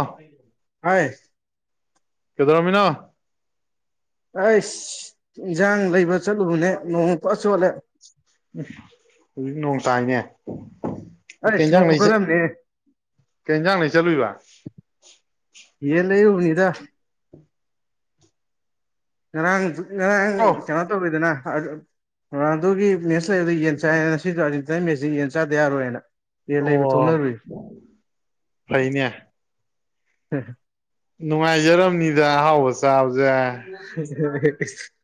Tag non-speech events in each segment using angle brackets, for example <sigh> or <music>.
ꯑꯥ ꯑ ꯀꯦꯗꯣꯔꯝꯃꯤꯅꯣ ꯑꯩꯁ ꯏꯟꯖꯥꯡ ꯂꯩꯕ ꯆꯠꯂꯨꯕꯅꯦ ꯅꯣꯡ ꯄꯨꯔ ꯆꯣꯠꯂꯦ ꯎꯝ ꯍꯧꯖꯤꯛ ꯅꯣꯡ ꯇꯥꯏꯅꯦ ꯀꯩ ꯑꯩꯁ ꯍꯦꯟꯖꯥꯡ ꯅꯣꯡ ꯂꯩꯆꯠ ꯈꯨꯀꯠꯑꯝꯅꯦ ꯀꯩ ꯏꯟꯖꯥꯡ ꯂꯩꯩ ꯆꯠꯂꯨꯏꯕ ꯌꯦꯟ ꯂꯩꯔꯨꯅꯤꯗ ꯉꯔꯥꯡꯁꯨ ꯉꯔꯥꯡ ꯑꯣ ꯀꯩꯅꯣ ꯇꯧꯔꯤꯗꯅ ꯔꯣꯅꯥꯟꯗꯣꯒꯤ ꯃꯦꯠꯁ ꯂꯩꯕꯗ ꯌꯦꯟ ꯆꯥꯏꯌꯦꯅ ꯉꯁꯤꯁꯨ ꯑꯔꯖꯦꯟꯇꯤꯅꯥꯒꯥ ꯃꯦꯠꯁꯁꯤ ꯌꯦꯟ ꯆꯥꯗ ꯌꯥꯔꯣꯏꯅ ꯌꯦꯟ ꯑꯣ ꯂꯩꯕ ꯊꯣꯛꯅꯔꯨꯏꯅꯦ ꯐꯩꯅꯦ ꯅꯨꯡꯉꯥꯏꯖꯔꯝꯅꯤꯗ ꯑꯍꯥꯎꯕ ꯆꯥꯕꯁꯦ <unintelligible>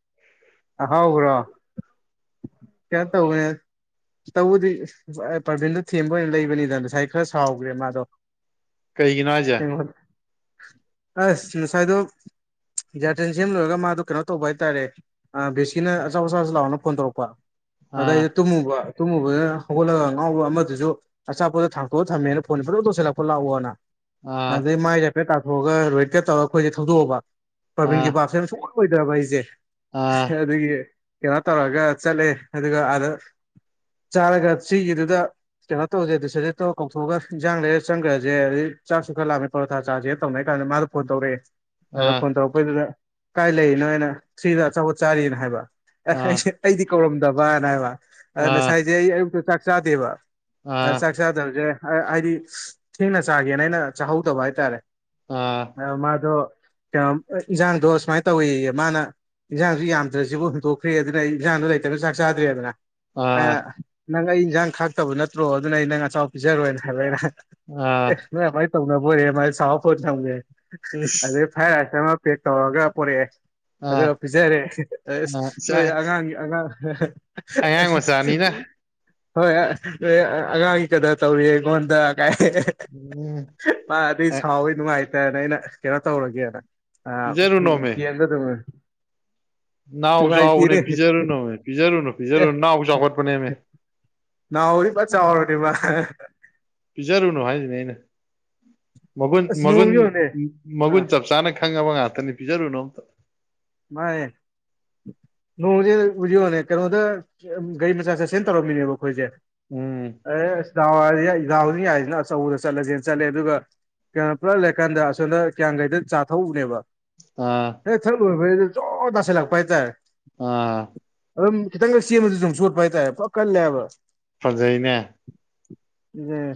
ꯑꯍꯥꯎꯕꯔꯣ <unintelligible> ꯇꯧꯕꯅꯦ ꯇꯧꯕꯗꯤ ꯄ꯭ꯔꯕꯤꯟꯗꯣ ꯊꯦꯝꯕ ꯑꯣꯏꯅ ꯂꯩꯕꯅꯤꯗ ꯉꯁꯥꯏ ꯈꯔ ꯁꯥꯎꯈ꯭ꯔꯦ ꯃꯥꯗꯣ ꯀꯩꯒꯤꯅꯣ ꯍꯥꯏꯁꯦ ꯑꯁꯁꯥꯏꯗꯣ <unintelligible> ꯖꯌꯥꯔꯊꯦꯟ ꯁꯦꯝ ꯂꯣꯏꯔꯒ ꯃꯥꯗꯣ ꯀꯩꯅꯣ ꯇꯧꯕ ꯍꯥꯏꯇꯥꯔꯦ ꯕꯤꯦꯁꯀꯤꯅ ꯑꯆꯥꯧ ꯑꯆꯥꯁꯨ ꯂꯥꯛꯑꯣꯅ ꯐꯣꯟ ꯇꯧꯔꯛꯄ ꯑꯥ ꯑꯗꯩꯗ ꯇꯨꯝꯃꯨꯕ ꯇꯨꯝꯃꯨꯕꯅ ꯍꯧꯒꯠꯂꯒ ꯉꯥꯎꯕ ꯑꯃꯗꯨꯁꯨ ꯑꯆꯥꯄꯣꯠꯇꯗ ꯊꯥꯡꯇꯣꯛꯑ ꯊꯝꯃꯦꯅ ꯐꯣꯟꯦ ꯄꯨꯖꯅ ꯇꯧꯁꯤꯜꯂꯛꯄ ꯂꯥꯛꯑꯣꯅ ꯑꯥ ꯑꯗꯨꯗꯩ ꯃꯥꯏ ꯍꯥꯏꯐꯦꯠ ꯇꯥꯊꯣꯛꯑꯒ ꯔꯣꯏꯠꯀꯠ ꯇꯧꯔꯒ ꯑꯩꯈꯣꯏꯁꯦ ꯊꯧꯗꯣꯛꯑꯕ ꯑꯥ ꯄ꯭ꯔꯥꯕꯤꯟꯒꯤ ꯕꯥꯞꯁꯦ ꯁ ꯑꯣꯏꯗꯕ ꯑꯩꯁꯦ ꯑꯥ ꯑꯗꯨꯒꯤ ꯀꯩꯅꯣ ꯇꯧꯔꯒ ꯆꯠꯂꯦ ꯑꯗꯨꯒ ꯑꯥꯗ ꯆꯥꯔꯒ ꯁꯤꯒꯤꯗꯨꯗ ꯀꯩꯅꯣ ꯇꯧꯁꯦ ꯑꯗꯨ ꯁꯦ ꯇꯧ ꯀꯊꯣꯛꯒ ꯌꯦꯟꯥꯡ ꯂꯩꯔ ꯆꯪꯈ꯭ꯔꯁꯦ ꯑꯗ ꯆꯥꯛꯁꯨ ꯈꯔ ꯂꯥꯛꯑꯃꯦ ꯄꯣꯔꯣꯊꯥ ꯆꯥꯥꯁꯦ ꯇꯧꯅꯩ ꯍꯥꯏ ꯀꯥꯟꯗ ꯃꯥꯗ ꯐꯣ ꯇꯧꯔꯦ ꯑ ꯇꯧꯔꯛꯄꯩꯗꯨꯗ ꯀꯥꯏ ꯂꯩꯔꯤꯅꯣꯅ ꯊ꯭ꯔꯤꯗ ꯑꯆꯥꯧꯕꯠ ꯆꯥꯔꯤꯅ ꯍꯥꯏꯕ ꯑꯦ ꯑꯥ ꯑꯩꯁꯦ ꯑꯩꯗꯤ ꯀꯧꯔꯝꯗꯕꯅ ꯍꯥꯏꯕ ꯑ ꯑꯥ ꯉꯁꯥꯏꯁꯦ ꯑꯩ ꯑꯌꯨꯛꯇ ꯆꯥꯛ ꯆꯥꯗꯦꯕꯥꯛ ꯆꯥꯗꯕꯁꯦ ꯍꯥꯏꯗꯤ ꯊꯦꯡꯅ ꯆꯥꯒꯦꯅ ꯑꯩꯅ ꯆꯥꯍꯧꯗꯕ ꯍꯥꯏꯇꯥꯔꯦ ꯑꯥ ꯃꯥꯗꯣ ꯀꯩꯅꯣ ꯏꯟꯖꯥꯡꯗꯣ ꯁꯨꯃꯥꯏꯅ ꯇꯧꯋꯤꯌꯦ ꯃꯥꯅ ꯏꯟꯖꯥꯡꯁꯨ ꯌꯥꯝꯗ꯭ꯔꯁꯤꯕꯨ ꯍꯨꯟꯗꯣꯛꯈ꯭ꯔꯦ ꯑꯗꯨꯅ ꯑꯩ ꯏꯟꯖꯥꯡꯗꯨꯣ ꯂꯩꯇꯅ ꯆꯥꯛ ꯆꯥꯗ꯭ꯔꯦꯗꯅ ꯅꯪ ꯑꯩ ꯏꯟꯁꯥꯡ ꯈꯥꯛꯇꯕ ꯅꯠꯇ꯭ꯔꯣ ꯑꯗꯨꯅ ꯑꯩ ꯅꯪ ꯑꯆꯥꯎ ꯄꯤꯖꯔꯣꯏꯅ ꯍꯥꯏꯕ ꯑꯩꯅ ꯑꯥ ꯅ ꯃꯃꯥꯏꯅ ꯇꯧꯅꯕꯣꯔꯦ ꯃꯥꯏ ꯁꯥꯕꯄꯣꯠ ꯆꯧꯒꯦ ꯏꯁ ꯑꯗꯩ ꯐ꯭ꯔꯥꯏ ꯔꯥꯏꯁ ꯑꯃ ꯄꯦꯛ ꯇꯧꯔꯒ ꯄꯣꯔꯛꯑꯦ ꯑꯥ ꯑꯗꯨꯒ ꯄꯤꯖꯔꯦ ꯑꯥ ꯏꯁ ꯅꯣꯏ ꯑꯉꯥꯡꯒꯤ ꯑ ꯑꯉꯥꯡ ꯃꯆꯥꯅꯤꯅ <unintelligible> ꯍꯣꯏ ꯑ ꯑꯉꯥꯡꯒꯤ ꯀꯗ ꯇꯧꯔꯤ ꯑꯩꯉꯣꯟꯗ ꯀꯥꯏ ꯎꯝ ꯃꯥ ꯑꯗꯨ ꯁꯥꯎꯋꯤ ꯅꯨꯡꯉꯥꯏꯇꯅ ꯑꯩꯅ ꯀꯩꯅꯣ ꯇꯧꯔꯒꯦꯅ ꯄꯤꯖꯔꯨꯅꯣꯃꯦ ꯌꯦꯗ ꯃꯦ ꯅꯥꯍ ꯆꯥꯎꯕꯅꯦ ꯄꯤꯖꯔꯨꯅꯨꯃꯦ ꯄꯤꯖꯔꯨꯅꯨ ꯑꯦ ꯄꯤꯖꯔꯨꯨ ꯅꯥꯍꯎ ꯆꯥꯎꯈꯠꯄꯅꯦꯃꯦ ꯅꯥꯍꯔꯤꯕ ꯐ ꯆꯥꯎꯔꯅꯦꯕ ꯄꯤꯖꯔꯨꯅꯨ ꯍꯥꯏꯁꯤꯅꯦ ꯑꯩꯅ ꯃꯒꯨꯟ ꯑꯁ ꯃꯒꯨꯟ ꯅꯣꯡꯁꯤ ꯌꯦꯡꯉꯨꯅꯦ ꯑ ꯃꯒꯨꯟ ꯆꯞ ꯆꯥꯅ ꯈꯪꯉꯕ ꯉꯥꯛꯇꯅꯤ ꯄꯤꯖꯔꯨꯅꯣ ꯑꯝꯇ ꯃꯥꯏ ꯅꯣꯡꯁꯦ ꯎꯖꯤꯣꯅꯦ ꯀꯩꯅꯣꯗ ꯒꯥꯔꯤ ꯃꯆꯥ ꯆꯠꯁꯦꯟ ꯇꯧꯔꯝꯃꯤꯅꯦꯕ ꯑꯩꯈꯣꯏꯁꯦ ꯎꯝ ꯑꯦ ꯑꯁ ꯥꯎ ꯒꯥꯎꯅꯤ ꯍꯥꯏꯁꯤꯅ ꯆꯧꯗ ꯆꯠꯂꯁꯦꯅ ꯆꯠꯂꯦ ꯑꯗꯨꯒ ꯀꯌꯥꯣ ꯄꯨꯂꯞ ꯂꯩꯔ ꯀꯥꯟꯗ ꯑꯁꯣꯝꯗ ꯀ꯭ꯌꯥꯡꯒꯩꯗ ꯆꯥꯊꯎꯅꯦꯕ ꯑꯥ ꯍ ꯊꯛ ꯂꯣꯏꯕꯩ ꯖꯣꯔ ꯇꯁꯤꯥꯏꯜꯂꯛꯄ ꯍꯥꯏꯇꯥꯔꯦ ꯑ ꯑꯗꯨꯝ ꯈꯤꯇꯪꯒ ꯁꯦꯝꯕꯗ ꯑꯗꯨ ꯁꯣꯠꯄ ꯍꯥꯏꯇꯥꯔꯦ ꯄ ꯀꯜꯂꯦꯕ ꯐꯖꯩꯅꯦ ꯎꯝ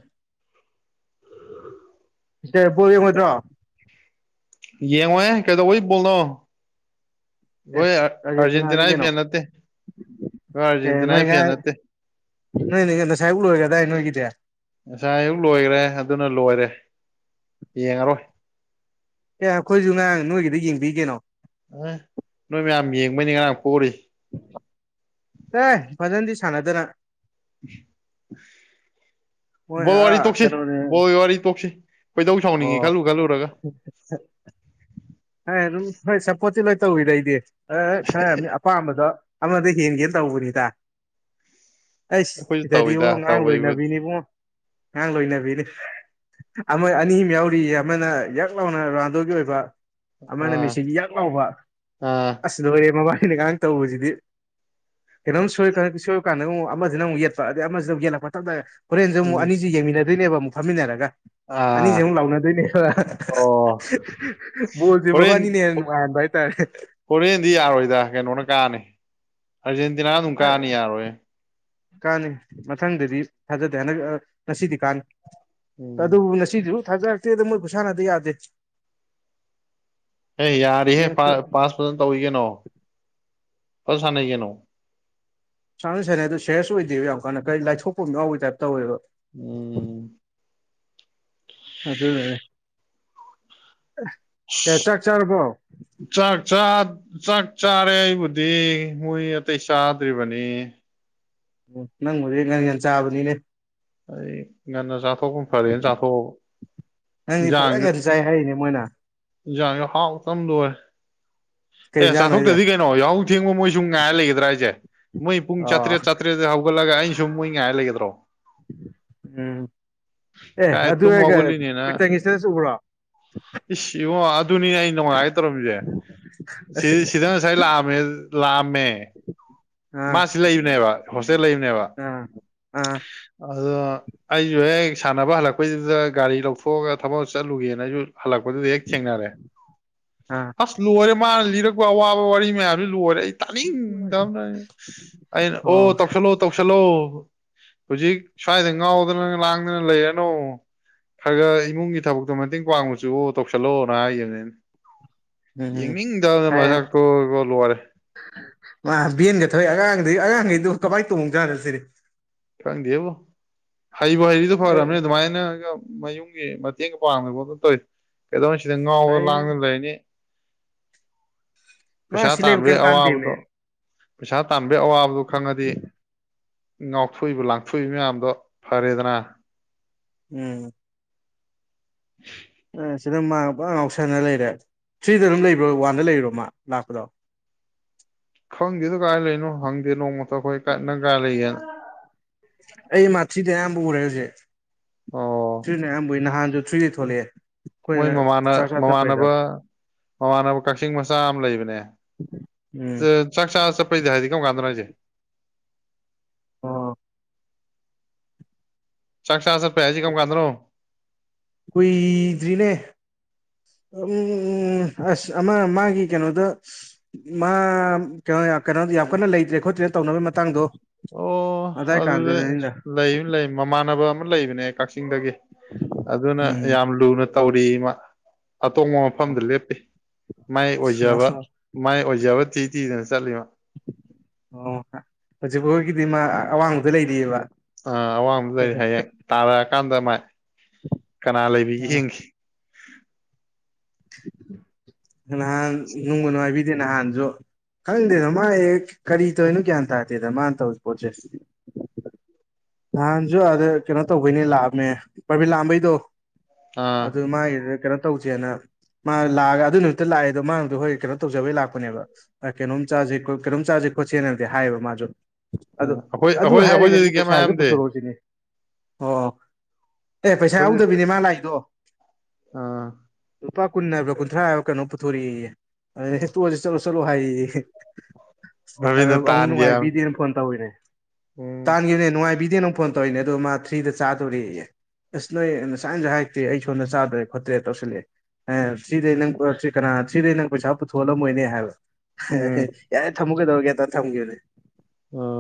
ꯏꯇꯦꯕꯣ ꯌꯦꯡꯉꯣꯏꯗ꯭ꯔꯣ ꯌꯦꯡꯉꯣꯍꯦ ꯀꯩꯗꯩꯕꯣꯜꯅꯣ ꯑꯦ ꯍꯣꯏ ꯑꯥꯔꯖꯦꯟꯇꯤꯅꯥꯅꯤ ꯑꯔꯖꯦꯟꯇꯤꯅꯥꯒꯤ ꯀꯩꯅꯣ ꯐꯦꯟ ꯅꯠꯇꯦ ꯍꯣꯏ ꯑꯦ ꯑꯔꯖꯦꯟꯇꯤꯅꯥꯒꯤ ꯐꯦꯟ ꯅꯠꯇꯦ ꯅꯣꯏ ꯅ ꯀꯟꯗ ꯁꯥꯏꯕꯕꯨ ꯂꯣꯏꯔꯒꯗꯥ ꯅꯣꯏꯒꯤꯗꯌꯥ ꯉꯁꯥꯏ ꯑꯌꯨꯛ ꯂꯣꯏꯈ꯭ꯔꯦ ꯑꯗꯨꯅ ꯂꯣꯏꯔꯦ ꯌꯦꯡꯉꯔꯣꯏ ꯑꯦ ꯑꯩꯈꯣꯏꯁꯨ ꯉꯔꯥꯡ ꯅꯣꯏꯒꯤꯗꯤ ꯌꯦꯡꯕꯤꯒꯦꯅꯣ ꯑꯦ ꯅꯣꯏ ꯃꯌꯥꯝ ꯌꯦꯡꯕꯅꯤ ꯉꯔꯥꯡ ꯄꯣꯔꯤ ꯎ <inaudible> ꯑꯦ ꯐꯖꯅꯗꯤ ꯁꯥꯟꯅꯗꯅ <inaudible> ꯃꯣꯏ ꯕꯣꯜ ꯋꯥꯔꯤ ꯑꯥ ꯇꯣꯛꯁꯤ ꯀꯩꯅꯣꯅꯦ ꯕꯣꯜ ꯋꯥꯔꯤ ꯇꯣꯛꯁꯤ ꯀꯩꯗꯧ ꯁꯥꯎꯅꯤꯡꯉꯤ ꯑꯣ ꯈꯜꯂꯨ ꯈꯜꯂꯨꯔꯒ ꯑꯗꯨꯝ ꯍꯣꯏ ꯁꯞꯄꯣꯔꯠꯇꯤ ꯂꯣꯏ ꯇꯧꯋꯤꯔꯩꯗꯤ ꯈꯔꯅꯤ ꯑꯄꯥꯝꯕꯗꯣ ꯑꯃꯗ ꯍꯦꯟꯒꯦꯅ ꯇꯧꯕꯅꯤꯗ ꯑꯩ ꯑꯩꯈꯣꯏꯁꯨ ꯁꯤꯗꯗꯤ ꯇꯧꯋꯤꯗ ꯏꯕꯉꯣ ꯉꯔꯥꯡ ꯇꯧꯕꯩꯕꯨꯗꯤ ꯂꯣꯏꯅꯕꯤꯅꯤ ꯏꯕꯉꯣ ꯉꯔꯥꯡ ꯂꯣꯏꯅꯕꯤꯅꯤ ꯑꯃ ꯑꯅꯤ ꯑꯝ ꯌꯥꯎꯔꯤꯌꯦ ꯑꯃꯅ ꯌꯥꯛ ꯂꯥꯎꯅ ꯔꫭꯅꯥꯟꯗꯣꯒꯤ ꯑꯣꯏꯕ ꯑꯃꯅ ꯑꯥ ꯃꯦꯁꯤꯒꯤ ꯌꯥꯥꯛ ꯂꯥꯎꯕ ꯑꯥ ꯑꯁ ꯂꯣꯏꯔꯦ ꯃꯕꯥꯅꯤꯅ ꯉꯔꯥꯡ ꯇꯧꯕꯁꯤꯗꯤ ꯀꯩꯅꯣꯝ ꯁꯣꯏꯀꯂꯛꯇ ꯁꯣꯏ ꯀꯥꯟꯗ ꯑꯃꯨꯛ ꯑꯃꯁꯤꯅ ꯑꯃꯨꯛ ꯌꯦꯠꯄ ꯑꯗꯒꯤ ꯑꯃꯗ ꯑꯃꯛ ꯌꯦꯠꯂꯛꯄꯊꯛꯇꯗ ꯇꯥꯛ ꯇꯥꯛ ꯍꯣꯔꯦꯟꯁꯨ ꯎꯝ ꯑꯃꯨꯛꯅꯤꯁꯤ ꯌꯦꯡꯃꯤꯟꯅꯗꯣꯏꯅꯦꯕ ꯑꯃꯨꯛ ꯐꯝꯃꯤꯟꯅꯔꯒ ꯑꯥ ꯑꯅꯤꯁꯦ ꯑꯃꯨꯛ ꯂꯥꯎꯅꯗꯣꯏꯅꯦꯕ ꯑꯣ ꯕꯣꯜꯁꯦ ꯃꯕꯥꯅꯤꯅ ꯍꯦꯟꯅ ꯅꯨꯡꯉꯥꯍꯟꯕ ꯍꯥꯏꯇꯥꯔꯦ ꯍꫭꯔꯦꯟꯗꯤ ꯌꯥꯔꯣꯏꯗ ꯀꯩꯅꯣꯅ ꯀꯥꯅꯤ ꯑꯔꯖꯦꯟꯇꯤꯅꯥꯅ ꯑꯗꯨꯝ ꯀꯥꯅꯤ ꯌꯥꯔꯣꯏ ꯀꯥꯅꯤ ꯃꯊꯪꯗꯗꯤ ꯊꯥꯖꯗꯦ ꯍꯟꯗꯛ ꯉꯁꯤꯗꯤ ꯀꯥꯅ ꯎꯝ ꯑꯗꯨꯕꯨ ꯉꯁꯤꯁꯨ ꯊꯖꯥꯔꯛꯇꯦꯗ ꯃꯣꯏ ꯈꯨꯁꯥꯟꯅꯗꫭ ꯌꯥꯗꯦ ꯑꯦ ꯌꯥꯔꯦꯍꯦ ꯃꯦꯠꯁꯇꯣ ꯄꯥꯁ ꯐꯖꯅ ꯇꯧꯏꯀꯩꯅꯣ ꯐꯖ ꯁꯥꯟꯅꯩꯀꯩꯅꯣ ꯁꯥꯟꯕꯨꯗꯤ ꯁꯥꯟꯅꯩ ꯑꯗꯨ ꯁꯦꯔꯁ ꯑꯣꯏꯗꯦꯕ ꯌꯥꯝ ꯀꯥꯟꯅ ꯀꯔꯤ ꯂꯥꯏꯊꫭꯛꯄ ꯑꯃ ꯌꯥꯎꯕ ꯇꯥꯏꯞ ꯇꯧꯋꯦꯕ <unintelligible> ꯑꯗꯨꯅꯅꯤ ꯑꯦ ꯆꯥꯛ ꯆꯥꯔꯔꯕꯣ ꯆꯥꯛ ꯆꯥ ꯆꯥꯛ ꯆꯥꯔꯦ ꯑꯩꯕꯨꯗꯤ ꯃꯣꯏ ꯑꯇꯩ ꯆꯥꯗ꯭ꯔꯤꯕꯅꯤ ꯑꯣ ꯅꯪꯕꯨꯗꯤ ꯉꯥꯟ ꯉꯥꯟ ꯆꯥꯕꯅꯤꯅꯦ ꯑꯩ ꯉꯟꯅ ꯆꯥꯊꯣꯛꯄꯅ ꯐꯔꯦꯅ ꯆꯥꯊꯣꯛꯑꯕ ꯅꯪꯗꯤ ꯐꯖꯅ ꯉꯥꯟꯅ ꯆꯥꯏ ꯍꯥꯏꯔꯤꯅꯦ ꯃꯣꯏꯅ ꯏꯟꯁꯥꯡꯁꯨ ꯍꯥꯎ ꯇꯕꯅ ꯂꫭꯏꯔꯦ ꯀꯩ ꯑꯦ ꯏꯟꯖꯥꯡꯅꯣ ꯍꯥꯏꯁꯦ ꯆꯥꯊꯣꯛꯇ꯭ꯔꯗꯤ ꯀꯩꯅꯣ ꯌꯥꯍꯧ ꯊꯦꯡꯕ ꯃꯣꯏ ꯁꯨꯝ ꯉꯥꯏꯔ ꯂꯩꯒꯗ꯭ꯔꯥ ꯍꯥꯏꯁꯦ ꯃꯣꯏ ꯄꯨꯡ ꯑꯣ ꯆꯥꯇ꯭ꯔꯦꯠ ꯆꯥꯇ꯭ꯔꯦꯠꯇ ꯍꯧꯒꯠꯂꯒ ꯑꯩꯅ ꯁꯨꯝ ꯃꯣꯏ ꯉꯥꯏ ꯂꯩꯒꯗ꯭ꯔꯣ ꯎꯝ ꯑꯦ ꯀꯥꯏ ꯇꯨꯝ ꯑꯗꯨꯔꯒ ꯍꯧꯒꯠꯂꯤꯅꯦꯅ ꯀꯇꯪꯒꯤꯁꯤꯗꯁꯨ ꯎꯕ꯭ꯔꯣ ꯏꯁ ꯏꯉꯣ ꯑꯗꯨꯅꯤꯅꯦ ꯑꯩ ꯅꯨꯡꯉꯥꯏꯒ ꯇꯧꯔꯝꯃꯤꯁꯦ ꯁꯤ ꯁꯤꯗ ꯉꯁꯥꯏ ꯂꯥꯛꯑꯝꯃꯦ ꯂꯥꯛꯑꯝꯃꯦ ꯃꯥ ꯑꯥ ꯁꯤꯗ ꯂꯩꯕꯅꯦꯕ ꯍꯣꯁꯇꯦꯜ ꯂꯩꯕꯅꯦꯕ ꯑꯥ ꯑꯥ ꯑꯗꯣ ꯑꯩꯁꯨ ꯍꯦꯛ ꯁꯥꯟꯅꯕ ꯍꯜꯂꯛꯄꯩꯗꯨꯗ ꯒꯥꯔꯤ ꯂꯧꯊꯣꯛꯑꯒ ꯊꯕꯛ ꯆꯠꯂꯨꯒꯦꯅ ꯑꯩꯁꯨ ꯍꯜꯂꯛꯄꯗꯨꯗꯥ ꯍꯦꯛ ꯊꯦꯡꯅꯔꯦ ꯑꯥ ꯑꯁ ꯂꯣꯏꯔꯦ ꯃꯥꯅ ꯂꯤꯔꯛꯄ ꯑꯋꯥꯕ ꯋꯥꯔꯤ ꯃꯌꯥꯝꯁꯨ ꯂꯣꯏꯔꯦ ꯑꯩ ꯇꯥꯅꯤꯡꯗꯕꯅ ꯑꯩꯅ ꯑꯣ ꯇꯧꯁꯜꯂꯣ ꯇꯧꯁꯜꯂꯣ ꯍꯧꯖꯤꯛ ꯁ꯭ꯋꯥꯏꯗ ꯉꯥꯎꯗꯅ ꯂꯥꯡꯗꯅ ꯂꯩꯔꯅꯨ ꯈꯔ ꯈꯔ ꯏꯃꯨꯡꯒꯤ ꯊꯕꯛ ꯑꯗꯨ ꯃꯇꯦꯡ ꯄꯥꯡꯎꯆꯨꯋꫭ ꯇꯧꯁꯜꯂꫭꯅ ꯍꯥꯏꯈꯤꯕꯅꯦ ꯑꯩꯅꯥ ꯎꯝ ꯌꯦꯡꯅꯤꯡꯗꯕꯅ ꯍꯥꯏ ꯃꯁꯛꯇꯨ ꯂꯣꯏꯔꯦ ꯃꯥ ꯕꯦꯟꯒ ꯊꯧꯏ ꯑꯉꯥꯡꯗꯤ ꯑꯉꯥꯡꯈꯩꯗꫭ ꯀꯃꯥꯏꯅ ꯇꯣꯡꯉꯣꯡ ꯖꯥꯠꯅꫭ ꯁꯤꯅꯤ ꯈꯪꯗꯦꯕꯨ ꯍꯩꯕ ꯍꯩꯔꯤꯗꫭ ꯑꯦ ꯐꯔꯕꯅꯤ ꯑꯗꯨꯃꯥꯏꯅꯒꯥ ꯃꯌꯨꯝ ꯌꯨꯝꯒꯤ ꯃꯇꯦꯡ ꯄꯥꯡꯗ ꯈꫭꯠꯇꯅ ꯇꯧꯔꯤꯗꫭ ꯀꯩꯗꯧꯔꯨꯅꯤ ꯁꯤꯗ ꯉꯥꯎꯗꯅ ꯐꯩꯅꯦ ꯂꯥꯡꯗꯅ ꯂꯩꯔꯅꯤ ꯃꯥ ꯄꯩꯁꯥ ꯁꯤ ꯂꯩꯕ ꯇꯥꯟꯕꯒꯤ ꯀꯩꯝ ꯀꯥꯟꯗꯦꯃꯦ ꯑꯋꯥꯕꯗꯣ ꯄꯩꯁꯥ ꯇꯥꯟꯕꯒꯤ ꯑꯋꯥꯕꯗꯣ ꯈꯪꯉꯗꯤ ꯉꯥꯎꯊꯣꯛꯏꯕ ꯂꯥꯡꯊꯣꯛꯏꯕ ꯃꯌꯥꯝꯗꯣ ꯐꯔꯦꯗꯅ ꯎꯝ ꯑꯦ ꯁꯤꯗ ꯃꯥ ꯄꯨꯔꯥ ꯉꯥꯎꯁꯤꯟꯅ ꯂꯩꯔꯦ ꯊ꯭ꯔꯤꯗ ꯑꯗꯨꯝ ꯂꯩꯕ꯭ꯔꯣ ꯋꯥꯟꯗ ꯂꯩꯔꯔꫭ ꯃꯥ ꯂꯥꯛꯄꯗꯣ ꯈꯪꯗꯦꯗ ꯀꯥꯏ ꯂꯩꯔꯤꯅꯣ ꯍꯪꯗꯦ ꯅꯣꯡꯃꯇ ꯑꯩꯈꯣꯏ ꯀꯥꯏ ꯅꯪ ꯀꯥꯏ ꯂꯩꯒꯦꯅ ꯑꯩ ꯃꯥ ꯊ꯭ꯔꯤꯗꯤ ꯑꯌꯥꯝꯕ ꯎꯔꯦ ꯍꯧꯖꯤꯛ ꯑꯣ ꯊ꯭ꯔꯤꯅ ꯑꯌꯥꯝꯕꯩꯏ ꯎꯏ ꯊ꯭ꯔꯤꯗꯩ ꯊꯣꯛꯂꯛꯑꯦ ꯃꯣꯏ ꯑꯩꯈꯣꯏꯅ ꯃꯃꯥꯟꯅ ꯆꯥꯛ ꯆꯥ ꯆꯠꯄꯩꯗ ꯃꯃꯥꯟꯅꯕ ꯃꯃꯥꯟꯅꯕ ꯀꯛꯆꯤꯡ ꯃꯆꯥ ꯑꯃ ꯂꯩꯕꯅꯦ ꯎꯝ ꯆꯥꯛ ꯆꯥ ꯆꯠꯄꯩꯗꯥ ꯍꯥꯏꯗꯤ ꯀꯔꯝ ꯀꯥꯟꯗꯅꯣ ꯍꯥꯏꯁꯦ ꯑꯣ ꯆꯥꯛ ꯆꯥ ꯆꯠꯄꯩ ꯍꯥꯏꯁꯤ ꯀꯔꯝ ꯀꯥꯟꯗꯅꯣ ꯀꯨꯏꯗ꯭ꯔꯤꯅꯦ ꯎꯝ ꯎꯝ ꯑꯁ ꯑꯃ ꯃꯥꯒꯤ ꯀꯩꯅꯣꯗ ꯃꯥ ꯀꯩꯅꯣ ꯀꯩꯅꯣ ꯌꯥꯝ ꯀꯟꯅ ꯂꯩꯇ꯭ꯔꯦ ꯈꯣꯠꯇ꯭ꯔꯦ ꯇꯧꯅꯕꯩ ꯃꯇꯥꯡꯗꯣ ꯑꯣ ꯑꯗꯥꯏ ꯑꯗꯨꯗ ꯀꯥꯟꯗꯨꯗꯅꯤꯗ ꯂꯩ ꯂꯩ ꯃꯃꯥꯟꯅꯕ ꯑꯃ ꯂꯩꯕꯅꯦ ꯀꯛꯆꯤꯡꯗꯒꯤ ꯑꯗꯨꯅ ꯎꯝ ꯌꯥꯝ ꯂꯨꯅ ꯇꯧꯔꯤ ꯏꯃ ꯑꯇꯣꯡꯕ ꯃꯐꯝꯗ ꯂꯦꯞꯄꯤ ꯃꯥꯏ ꯑꯣꯏꯖꯕ ꯑꯣ ꯃꯥꯏ ꯑꯣꯏꯖꯕ ꯊꯤ ꯇꯤꯗꯅ ꯆꯠꯂꯤꯕ ꯑꯣ ꯍꯧꯖꯤꯛꯐꯣꯏꯒꯤꯗꯤ ꯃꯥ ꯑꯋꯥꯡꯕꯗ ꯂꯩꯔꯤꯑꯕ ꯑꯥ ꯑꯋꯥꯡꯕ ꯂꯩꯔ ꯍꯌꯦꯡ ꯇꯥꯔꯛꯑꯀꯥꯟꯗ ꯃꯥꯥꯏ ꯀꯅꯥ ꯂꯩꯕꯤꯒꯦ ꯌꯦꯡꯈꯤ ꯍꯥꯟ ꯅꯣꯡꯕꯣ ꯅꯅꯨꯡꯥꯏ ꯁꯤꯗꯤ ꯅꯍꯥꯟꯁꯨ ꯈꯪꯗꯦꯗ ꯃꯥ ꯀꯔꯤ ꯇꯧꯔꯤꯅꯣ ꯒ꯭ꯌꯥꯟ ꯇꯥꯗꯦꯗꯅ ꯃꯥꯅ ꯇꯧꯔꯤꯁ ꯄꯣꯠꯁꯦꯗꯤ ꯅꯍꯥꯟꯁꯨ ꯑꯗ ꯀꯩꯅꯣ ꯇꯧꯕꯩꯅꯦ ꯂꯥꯛꯑꯝꯃꯦ ꯄꯥꯕꯤ ꯂꯥꯛꯑꯝꯕꯩꯗꯣ ꯑꯥ ꯑꯗꯨ ꯃꯥꯒꯤꯗ ꯀꯩꯅꯣ ꯇꯧꯁꯦꯅ ꯃꯥ ꯂꯥꯛꯑꯒ ꯑꯗꯨ ꯅꯨꯃꯤꯠꯇ ꯂꯥꯛꯑꯦꯗꯣ ꯃꯥꯗꯣ ꯍꯣꯏ ꯀꯩꯅꯣ ꯇꯧꯖꯕꯩ ꯂꯥꯛꯄꯅꯦꯕ ꯀꯩꯅꯣꯝ ꯆꯥꯁꯦ ꯀꯩꯅꯣꯝ ꯆꯥꯁꯦ ꯈꯣꯠꯁꯦꯅꯗꯤ ꯍꯥꯏꯌꯦꯕ ꯃꯥꯁꯨ ꯑ ꯑꯥ ꯑꯩꯈꯣꯏ ꯑꯗꯨ ꯑꯩꯈꯣꯏ ꯍꯥꯏꯔꯒꯗꯤ ꯑꯩꯈꯣꯏꯗꯗꯤ ꯄꯁ ꯀꯩꯝ ꯍꯥꯏꯔꯝꯗꯦ ꯑꯣ ꯑꯦ ꯄꯩꯁꯥ ꯑꯩꯈꯣꯏꯗꯤ ꯌꯥꯗꯕꯤꯅꯦ ꯃꯥ ꯂꯥꯏꯗꯣ ꯑꯥ ꯂꯨꯄꯥ ꯀꯨꯟ ꯍꯥꯏꯕ꯭ꯔꯥ ꯀꯨꯟꯊ꯭ꯔꯥ ꯍꯥꯏꯕ ꯀꯩꯅꯣꯝ ꯄꯨꯊꯣꯔꯛꯏ ꯑꯗ ꯇꯣꯁꯤꯦ ꯆꯠꯂꯣ ꯆꯠꯂꯣ ꯍꯥꯏꯌꯦꯌꯦ ꯑꯗ ꯔꯕꯤꯟꯅ ꯑꯃꯨꯛ ꯇꯥꯟꯒꯤ ꯍꯥꯏꯕꯅꯤ ꯅꯨꯡꯉꯥꯏꯕꯤꯗꯦꯅ ꯐꯣꯟ ꯇꯧꯋꯤꯅꯦ ꯎꯝ ꯇꯥꯟꯈꯤꯕꯅꯦ ꯅꯨꯡꯉꯥꯏꯕꯤꯗꯦ ꯅꯪ ꯐꯣꯟ ꯇꯧꯔꯤꯏꯅꯦ ꯑꯗꯣ ꯃꯥ ꯊ꯭ꯔꯤꯗ ꯆꯥꯗꯣꯔꯤꯦ ꯑꯁ ꯅꯣꯏ ꯉꯁꯥꯏꯝꯁꯨ ꯍꯥꯏꯔꯛꯇꯦ ꯑꯩ ꯁꯣꯟꯝꯗ ꯆꯥꯗ꯭ꯔ ꯈꯣꯠꯇ꯭ꯔꯦ ꯇꯧꯁꯤꯜꯂꯛꯑꯦ ꯑꯦ ꯊ꯭ꯗꯩ ꯅꯪ ꯀꯅꯥ ꯊ꯭ꯗꯩ ꯅꯪ ꯄꯩꯁꯥ ꯄꯨꯊꯣꯛꯍꯜꯂꯝꯃꯣꯏꯅꯦ ꯍꯥꯏꯕ ꯎꯝ ꯦ ꯌꯥꯔꯦ ꯊꯃꯒꯗꯧꯔꯒꯦ ꯊꯝꯈꯤꯕꯅꯦ ꯎꯝ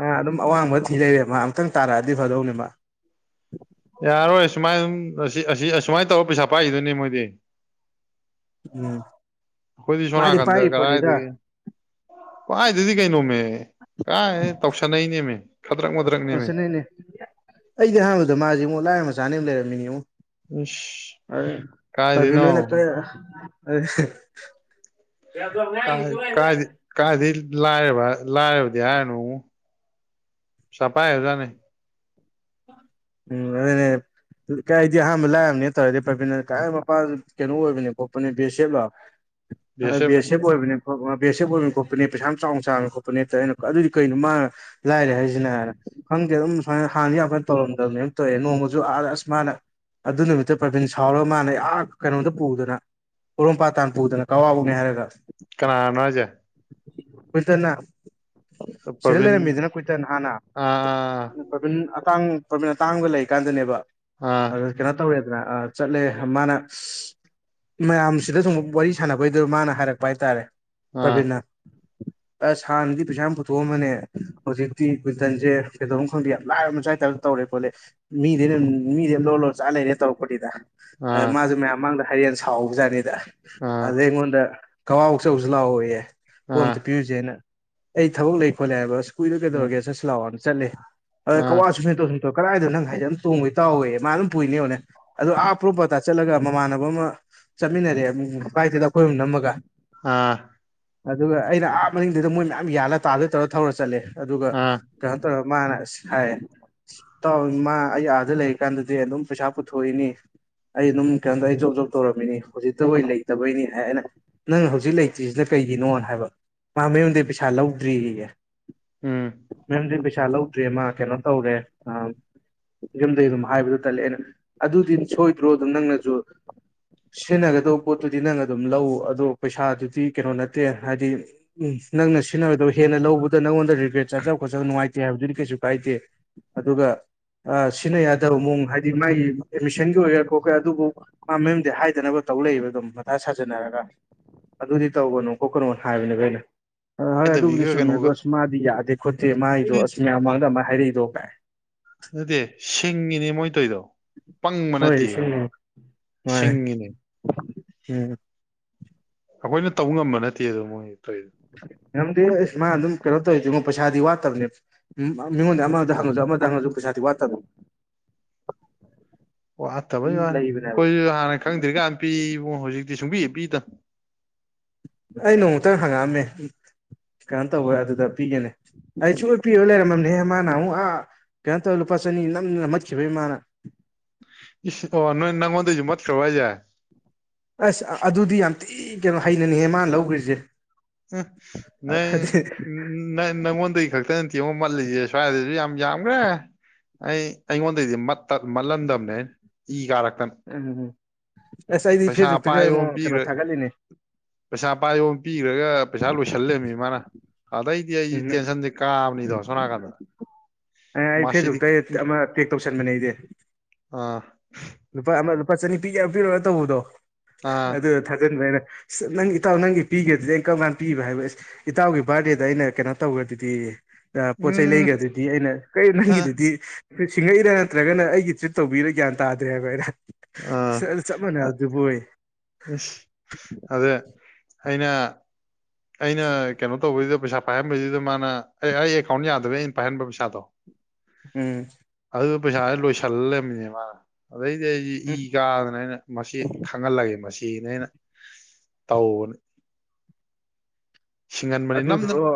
ꯑꯥ ꯑꯗꯨꯝ ꯑꯋꯥꯡꯕ ꯊꯤꯖꯩꯔꯦ ꯃꯥ ꯑꯝꯛꯇꯪ ꯇꯥꯔꯛꯑꯗꯤ ꯐꯗꯧꯅꯦ ꯃꯥ ꯌꯥꯔꯣꯏ ꯁꯨꯃꯥꯏꯅ ꯑꯁꯤ ꯑꯁꯨꯃꯥꯏꯅ ꯇꯧꯔ ꯄꯩꯁꯥ ꯄꯥꯛꯏꯗꯨꯣꯏꯅꯦ ꯃꯣꯏꯗꯤ ꯎꯝ ꯈꯨꯣꯏꯗꯤ ꯁꯣꯅꯥ ꯃꯥꯗꯤ ꯀꯟꯗ ꯄꯥꯏꯔꯤ ꯄꯣꯠꯅꯤꯗ ꯀꯔꯗꯒ ꯋꯥꯏꯗꯗꯤ ꯀꯩꯅꯣꯃꯦ ꯀꯥꯏ ꯇꯧꯁꯟꯅꯩꯅꯦꯃꯦ ꯈꯗ꯭ꯔꯛ ꯃꯗ꯭ꯔꯛꯅꯦꯃꯦ ꯅꯣꯠꯁꯟꯅꯩꯅꯦ ꯑꯩꯗꯤ ꯑꯍꯥꯟꯕꯗ ꯃꯥꯁꯦ ꯑꯃꯨꯛ ꯂꯥꯏ ꯑꯃ ꯃꯆꯥꯅꯦ ꯑꯃ ꯂꯩꯔꯝꯃꯤꯅꯦ ꯑꯃꯉꯛ ꯏꯁ ꯑꯔ ꯀꯥꯏꯗꯩꯅꯣ ꯑꯚꯅ ꯅꯠꯇ ꯑ ꯌꯥꯗ ꯉ ꯏ ꯀꯗꯤ ꯂꯥꯏꯔꯕ ꯂꯥꯏꯔꯕꯗꯤ ꯍꯥꯏꯔꯅꯨ ꯆꯐꯥꯏ ꯍꯥꯏꯖꯥꯠꯅꯤ ꯎꯝ ꯑꯗꯨꯗꯅꯦ ꯀꯩ ꯍꯥꯏꯗꯤ ꯑꯍꯥꯟꯕ ꯂꯥꯛꯑꯕꯅꯦꯅ ꯇꯧꯔꯗꯤ ꯄ꯭ꯔꯕꯤꯟꯗ ꯀꯥꯏ ꯃꯄꯄꯥ ꯀꯩꯅꯣ ꯑꯣꯏꯕꯅꯦ ꯈꯣꯠꯄꯅꯦ ꯕꯦꯁꯦꯞꯂ ꯕꯤ ꯑ ꯑꯦꯁ ꯑꯦꯐꯅꯦ ꯦꯁꯦ ꯀꯣꯣꯏꯕꯅꯦ ꯕꯦꯁꯁꯤꯦ ꯑꯣꯏꯅ ꯈꯣꯠꯄꯅꯦ ꯄꯩꯁꯥ ꯌꯥꯝ ꯆꯥꯎꯅ ꯆꯥꯎꯅ ꯈꯣꯠꯄꯅꯦꯩꯅ ꯑꯗꯨꯗꯤ ꯀꯩꯅꯣ ꯃꯥ ꯂꯥꯏꯔꯦ ꯍꯥꯏꯁꯤꯅ ꯍꯥꯏꯔ ꯈꯪꯗꯦ ꯑꯗꯨꯝ ꯁꯨꯃꯥꯏꯅ ꯍꯥꯟꯅꯗꯤ ꯌꯥꯝꯐꯅ ꯇꯧꯔꯝ ꯇꯧꯋꯦ ꯅꯣꯡꯃꯁꯨ ꯑꯥ ꯑꯁ ꯃꯥꯅ ꯑꯗꯨ ꯅꯨꯃꯤꯠꯇ ꯄ꯭ꯔꯕꯤꯟ ꯁꯥꯎꯔꯒ ꯃꯥꯅ ꯑꯩꯍꯥꯛ ꯀꯩꯅꯣꯝꯇ ꯄꯨꯗꯅ ꯄꯣꯔꯣꯝꯄꯥꯇꯥꯟ ꯄꯨꯗꯅ ꯀꯋꯥꯕꯧꯅꯦ ꯍꯥꯏꯔꯒ ꯀꯅꯥꯅꯣꯁꯦ ꯀꯨꯏꯇꯟꯅ ꯁꯤꯗ ꯄ꯭ꯔꯕꯤꯟ ꯂꯩꯔꯝꯃꯤꯗꯅ ꯀꯨꯏꯇꯟ ꯍꯥꯟꯅ ꯑꯥ ꯄ꯭ꯔꯕꯤꯟ ꯑꯇꯥꯡ ꯄ꯭ꯔꯥꯕꯤꯟ ꯑꯇꯥꯡꯕ ꯂꯩꯀꯥꯟꯗꯅꯦꯕ ꯑ ꯑꯗꯨ ꯀꯩꯅꯣ ꯇꯧꯔꯦꯗꯅ ꯆꯠꯂꯦ ꯃꯥꯅ ꯃꯌꯥꯝꯁꯤꯗ ꯁꯨꯝ ꯋꯥꯔꯤ ꯁꯥꯟꯅꯕꯩꯗꯨ ꯃꯥꯅ ꯍꯥꯏꯔꯛꯄ ꯍꯥꯏꯇꯥꯔꯦ ꯑꯥ ꯄ꯭ꯔꯕꯤꯟꯅ ꯑꯁ ꯍꯥꯟꯅꯗꯤ ꯄꯩꯁꯥ ꯌꯥꯝ ꯄꯨꯊꯣꯛꯑꯃꯅꯦ ꯍꯧꯖꯤꯛꯇꯤ ꯀ꯭ꯋꯤꯟꯇꯟꯁꯦ ꯀꯩꯗꯧꯝ ꯈꯪꯗꯦ ꯌꯥꯝ ꯂꯥꯏꯔꯝ ꯃ ꯆꯥꯏ ꯍꯥꯏꯇꯥꯔ ꯇꯧꯔꯦ ꯈꯣꯠꯂꯦ ꯃꯤꯗꯦꯅ ꯃꯤꯗꯤꯦ ꯂꯣ ꯂꯣ ꯆꯥ ꯂꯩꯔꯦ ꯇꯧꯔꯛꯄꯣꯤꯗ ꯑꯥ ꯃꯥꯁꯦ ꯃꯌꯥꯝ ꯃꯥꯡꯗ ꯍꯌꯦꯡ ꯁꯥꯎꯕꯖꯥꯠꯅꯤꯗ ꯑꯥ ꯑꯗꯨꯗꯩ ꯑꯩꯉꯣꯟꯗ ꯀꯋꯥꯎꯆꯧꯁꯨ ꯂꯥꯛꯑꯣꯌꯦ ꯄꯣꯝꯇ ꯑꯥ ꯄꯤꯔꯨꯁꯦꯅ ꯑꯩ ꯊꯕꯛ ꯂꯩ ꯈꯣꯠꯂꯦ ꯍꯥꯏꯕ ꯑꯁ ꯀꯨꯏꯗꯣ ꯀꯩꯗꯧꯔꯒꯦ ꯆꯠꯁ ꯂꯥꯛꯑꯣꯅ ꯆꯠꯂꯦ ꯑꯗ ꯑꯥ ꯀꯋꯥꯁꯨꯨꯝ ꯑ ꯀꯗꯥꯏꯗꯣ ꯅꯪ ꯍꯥꯏꯦ ꯑꯗꯨꯝ ꯇꯣꯡꯕꯒꯤ ꯇꯧꯏꯦ ꯃꯥ ꯑꯗꯨꯝ ꯄꯨꯏꯅꯦꯕꯅꯦ ꯑ ꯑꯞ ꯄ꯭ꯔꯣꯞꯄ ꯆꯠꯂꯒ ꯃꯃꯥꯟꯅꯕ ꯑꯃ ꯆꯠꯃꯤꯟꯅꯔꯦ ꯕꯥꯥꯏꯛꯇꯨꯗ ꯑꯩꯈꯣꯏ ꯑꯃ ꯅꯝꯃꯒ ꯑ ꯑꯗꯨꯒ ꯑꯩꯅ ꯑꯥ ꯃꯅꯤꯡꯗꯨꯗ ꯃꯣꯏ ꯃꯌꯥꯝ ꯌꯥꯜꯂ ꯇꯥꯗ ꯇꯧꯔ ꯊꯧꯔ ꯆꯠꯂꯦ ꯑꯗꯨꯒ ꯑꯥ ꯀꯩꯅ ꯇꯧ ꯃꯥꯅ ꯑꯁ ꯍꯥꯏꯌꯦ ꯇꯥꯎ ꯏꯃ ꯑꯩ ꯑꯥꯗ ꯂꯩꯔꯤꯀꯥꯟꯗꯗꯤ ꯑꯗꯨꯝ ꯄꯩꯁꯥ ꯄꯨꯊꯣꯛꯏꯅꯤ ꯑꯩ ꯑꯗꯨꯝ ꯀꯩꯅꯣꯇ ꯑꯩ ꯖꯣꯕ ꯖꯣꯕ ꯇꯧꯔꯝꯃꯤꯅꯤ ꯍꯧꯖꯤꯛꯇꯕꯨ ꯂꯩꯇꯕꯩꯅꯤ ꯍꯥꯏ ꯑꯩꯅ ꯅꯪ ꯍꯧꯖꯤꯛ ꯂꯩ ꯇꯔꯤꯁꯤꯅ ꯀꯩꯒꯤꯅꯣꯅ ꯍꯥꯏꯕ ꯃꯥ ꯃꯌꯨꯝꯗ ꯄꯩꯁꯥ ꯂꯧꯗ꯭ꯔꯤꯌꯦ ꯎꯝ ꯃꯦꯝꯗꯤ ꯄꯩꯁꯥ ꯂꯧꯗ꯭ꯔꯤ ꯃꯥ ꯀꯩꯅꯣ ꯇꯧꯔꯦ ꯑ ꯌꯝꯗꯒꯤꯩ ꯑꯗꯨꯝ ꯍꯥꯏꯕꯗꯨ ꯇꯜꯂꯦ ꯑꯩꯅ ꯑꯗꯨꯗꯤ ꯁꯣꯏꯗ꯭ꯔꯣ ꯑꯗꯨꯝ ꯅꯪꯅꯁꯨ ꯁꯤꯖꯤꯟꯅꯒꯗꯧꯕ ꯄꯣꯠꯇꯨꯗꯤ ꯅꯪ ꯑꯗꯨꯝ ꯂꯧ ꯑꯗꯣ ꯄꯩꯁꯥꯗꯨꯗꯤ ꯤ ꯀꯩꯅꯣ ꯅꯠꯇꯦ ꯍꯥꯏꯗꯤ ꯎ ꯅꯪꯅ ꯁꯤꯖꯤꯟꯅꯕꯗꯣ ꯍꯦꯟꯅ ꯂꯧꯕꯗ ꯅꯪꯉꯣꯟꯗ ꯔꯤꯒ꯭ꯔꯦꯠ ꯆꯥꯖꯕ ꯈꯣꯠꯆꯕ ꯅꯨꯡꯉꯥꯏꯇ ꯦ ꯍꯥꯏꯕꯗꯨꯗꯤ ꯀꯩꯁꯨ ꯀꯥꯏꯗꯦ ꯑꯗꯨꯒ ꯁꯤꯖꯤꯟꯅ ꯌꯥꯗꯕ ꯃꯑꯣꯡ ꯍꯥꯏꯗꯤ ꯃꯥꯒꯤ ꯑꯦꯗꯃꯤꯁꯟꯒꯤ ꯑꯣꯏꯒꯦꯔꯥ ꯈꯣꯠꯀꯦꯔꯥ ꯑꯗꯨꯕꯨ ꯃꯥ ꯃꯌꯨꯝꯗꯤ ꯍꯥꯏꯗꯅꯕ ꯇꯧ ꯂꯩꯕ ꯑꯗꯨꯝ ꯃꯊꯥ ꯁꯥꯖꯟꯅꯔꯒ ꯑꯗꯨꯗꯤ ꯇꯧꯒꯅꯨ ꯈꯣꯠꯀꯅꯣ ꯍꯥꯏꯕꯅꯦꯈ ꯑꯩꯅ ꯑ ꯍꯣꯏ ꯑꯗꯨꯕꯨꯗꯤ ꯍꯥꯏꯗꯕꯤꯒ ꯆꯨꯝꯃꯤꯃꯦ ꯑꯗꯣ ꯀꯩꯅꯣꯒ ꯑꯁ ꯇꯧ ꯃꯥꯗꯤ ꯌꯥꯗꯦ ꯈꯣꯠꯇꯦ ꯃꯥꯒꯤꯗꯣ ꯑꯁ ꯃꯌꯥꯝ ꯃꯃꯥꯡꯗ ꯑꯃꯨꯛ ꯍꯥꯏꯔꯛꯏꯗꯣ ꯀꯥꯏ ꯑꯗꯨꯗꯤ ꯁꯤꯡꯉꯤꯅꯦ ꯃꯣꯏ ꯇꯣꯏꯗꯣ ꯄꯪꯕ ꯅꯠꯇꯦ ꯍꯣꯏ ꯁꯤꯅꯤ ꯈꯪꯕ꯭ꯔ ꯃꯥꯅꯦ ꯁꯤꯡꯉꯤꯅꯦ ꯎꯝ ꯑꯩꯈꯣꯏꯅ ꯇꯧꯕ ꯉꯝꯕ ꯅꯠꯇꯦ ꯑꯗꯨꯗꯣ ꯃꯣꯏ ꯇꯧꯔꯤꯗꯣ ꯅꯝꯗꯦ ꯑꯁ ꯃꯥ ꯑꯗꯨꯝ ꯀꯩꯅꯣ ꯇꯧꯔꯤꯁꯤꯉꯣ ꯄꯩꯁꯥꯗꯤ ꯋꯥꯠꯇꯕꯅꯦꯕ ꯎꯝ ꯃꯤꯉꯣꯟꯗ ꯑꯃꯗ ꯍꯪꯉꯁꯨ ꯑꯃꯗ ꯍꯪꯉꯁꯨ ꯄꯩꯁꯥꯗꯤ ꯋꯥꯠꯇꯕꯣ <unintelligible> ꯑꯣ ꯑꯠꯇꯕꯩ ꯑꯗꯨꯝ ꯌꯥꯔꯦ ꯂꯩꯕꯅꯦꯕ ꯑꯩꯈꯣꯏꯁꯨ ꯍꯥꯟꯅ ꯈꯪꯗ꯭ꯔꯤꯀꯥꯟꯗ ꯄꯤꯕ ꯍꯧꯖꯤꯛꯇꯤ ꯁꯨꯡꯕꯤ ꯄꯤꯗꯅ ꯑꯩ ꯅꯣꯡꯃꯨꯛꯇꯪ ꯍꯪꯉꯛꯑꯝꯃꯦ ꯀꯩꯅꯣ ꯇꯧꯋ ꯑꯗꯨꯗ ꯄꯤꯒꯦꯅꯦ ꯑꯩꯁꯨ ꯄꯄꯤꯔ ꯂꯩꯔꯝꯃꯝꯅꯦꯍꯦ ꯃꯥꯅ ꯑꯃꯨꯛ ꯑꯥ ꯀꯩꯅꯣ ꯇꯧꯔ ꯂꯨꯄꯥ ꯆꯅꯤ ꯅꯝꯅꯝꯃꯠꯈꯤꯕ ꯏꯃꯥꯅ ꯏ ꯑꯣ ꯅꯣꯏ ꯅꯪꯣꯟꯟꯖ ꯃꯣꯠ ꯀ ꯋꯥꯋꯥꯏꯖ ꯑꯁ ꯑꯗꯨꯗꯤ ꯌꯥꯝ ꯊꯤ ꯀꯩꯅꯣ ꯍꯩꯅꯅꯤꯍꯦ ꯃꯥꯅ ꯂꯧꯈ꯭ꯔꯤꯁꯦ ꯑ ꯅ ꯑꯗꯤ ꯎ ꯅꯪꯉꯣꯟꯗꯒꯤ ꯈꯛꯇ ꯅꯇꯦꯡ ꯑꯃꯉ ꯃꯠꯂꯤꯁꯦ ꯁ꯭ꯋꯥꯏꯗꯁꯨ ꯌꯥꯝ ꯌꯥꯝꯈ꯭ꯔꯦ ꯑꯩ ꯑꯩꯉꯣꯟꯗꯩꯗꯤ ꯃꯠꯍꯟꯗꯕꯅꯦ ꯏ ꯀꯥꯔꯛꯇꯅ ꯎꯝ ꯎꯝ ꯑꯁ ꯑꯩꯗꯤ ꯄꯩꯁꯥ ꯐꯦꯁꯕꯨꯛꯇꯒ ꯄꯥꯏꯌꯣ ꯑꯃꯨꯛ ꯀꯩꯅꯣ ꯄꯤꯈ꯭ꯔ ꯊꯥꯒꯠꯂꯤꯅꯦ ꯄꯩꯁꯥ ꯄꯥꯏꯕꯣ ꯑꯃ ꯄꯤꯈ꯭ꯔꯒ ꯄꯩꯁꯥ ꯂꯣꯏꯁꯜꯂꯕꯃꯤ ꯃꯥꯅ ꯑꯗꯩꯗꯤ ꯑꯩꯁꯤ ꯎꯝ ꯇꯦꯟꯁꯟꯗꯤꯦ ꯀꯥꯝꯅꯤꯗ ꯁꯣꯅ ꯀꯗ ꯑꯦ ꯑꯩ ꯐꯦꯁꯕꯨꯛꯇ ꯑꯃ ꯄꯦꯛ ꯇꯧꯁꯟꯕꯅꯦ ꯑꯩꯗꯤ ꯑꯥ ꯂꯨꯄꯥ ꯑꯃ ꯂꯨꯄꯥ ꯆꯅꯤ ꯄꯤꯒ ꯄꯤꯔꯣꯅ ꯇꯧꯕꯗꯣ ꯑꯥ ꯑꯗꯨ ꯊꯥꯖꯟꯕ ꯑꯅ ꯑꯁ ꯅꯪ ꯏꯇꯥꯎ ꯅꯪꯒꯤ ꯄꯤꯒꯦꯗꯨꯗꯩꯅ ꯀꯔꯝ ꯀꯥꯟꯅ ꯄꯤꯕ ꯍꯥꯏꯕꯁ ꯏꯇꯥꯎꯒꯤ ꯕꯥꯔꯗꯦꯗ ꯑꯩꯅ ꯀꯩꯅꯣ ꯇꯧꯈ꯭ꯔꯗꯨꯗꯤ ꯄꯣꯠ ꯆꯩ ꯎꯝ ꯂꯩꯒ꯭ꯔꯗꯨꯗꯤ ꯑꯩꯅ ꯀꯩ ꯑꯥ ꯅꯪꯒꯤꯗꯨꯗꯤ ꯁꯤꯡꯉꯛꯏꯔꯥ ꯅꯠꯇ꯭ꯔꯒꯅ ꯑꯩꯒꯤ ꯇ꯭ꯔꯤꯠ ꯇꯧꯕꯤꯔꯥ ꯒ꯭ꯌꯥꯟ ꯇꯥꯗ꯭ꯔꯦ ꯍꯥꯏꯕ ꯑꯩꯅ ꯑꯥ ꯁ ꯑꯗꯨ ꯆꯞ ꯃꯥꯟꯅꯩ ꯕꯣꯏ ꯑꯗꯦ ꯑꯩꯅ ꯑꯩꯅ ꯀꯩꯅꯣ ꯇꯧꯕꯁꯤꯗ ꯄꯩꯁꯥ ꯄꯥꯏꯍꯟꯕꯁꯤꯗ ꯃꯥꯅ ꯑꯩ ꯑꯩ ꯑꯦꯀꯥꯎꯟ ꯌꯥꯗꯕꯦ ꯑꯩꯅ ꯄꯥꯏꯍꯟꯕ ꯄꯩꯁꯥꯗꯣ <inaudible> ꯎꯝ ꯑꯗꯨꯗ ꯄꯩꯁꯥꯁꯦ ꯂꯣꯏꯁꯤꯜꯂꯝꯕꯃꯤꯅꯦ ꯃꯥꯅ ꯑꯗꯩꯗꯤ ꯑꯩꯗꯤ ꯏ ꯎꯝ ꯀꯥꯗꯅ ꯑꯩꯅ ꯃꯁꯤ ꯈꯪꯍꯜꯂꯒꯦ ꯃꯁꯤꯅꯦ ꯑꯩꯅ ꯇꯧꯕꯅꯤ ꯁꯤꯡꯍꯟꯕꯅꯤ ꯑꯗꯨꯗ ꯅꯝꯗꯅ ꯑꯗꯨꯣ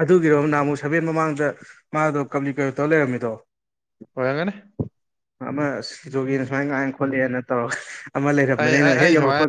ꯑꯗꯨꯒꯤꯔꯣ ꯅꯍ ꯑꯃꯨꯛ ꯁꯕꯦꯟ ꯃꯃꯥꯡꯗ ꯃꯥꯗꯣ ꯀꯝꯂꯤ ꯀꯩꯅꯣ ꯇꯧꯔ ꯂꯩꯔꯝꯃꯤꯗꯣ ꯑꯣꯏꯔꯝꯒꯅꯤ ꯑꯃ ꯁꯤꯖꯣꯒꯤꯅ ꯎꯝ. ꯁꯨꯃꯥꯏ ꯀꯥꯏꯅ ꯈꯣꯠꯂꯦꯅ ꯇꯧꯔꯒ ꯑꯃ ꯑꯩ ꯂꯩꯔꯝꯕꯅꯦ ꯑꯅ ꯑꯩ ꯍꯦꯛ ꯑꯩ ꯁꯨꯃꯥꯏꯅ